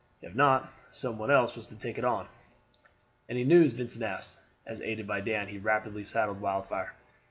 If not, some one else was to take it on." "Any news?" Vincent asked, as aided by Dan he rapidly saddled Wildfire.